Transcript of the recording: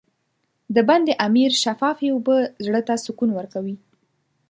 د بند امیر شفافې اوبه زړه ته سکون ورکوي.